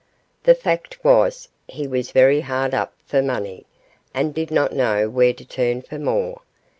The fact was he was very hard up for money, and did not know where to turn for more.